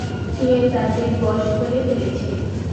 সে তাদের বঁশ করে ফেলেছে।